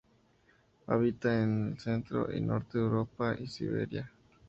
Habita en en centro y norte de Europa y Siberia.